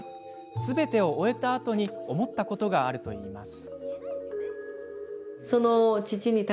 すべてを終えたあとに思ったことがあるといいます。